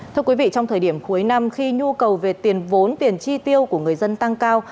trong thời điểm cuối năm khi nhu cầu về tiền vốn tiền chi tiêu của người dân tăng cao